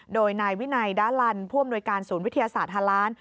โดยนายวินัยดาลันผู้อำนวยการศูนย์วิทยาศาสตร์ฮาล้าน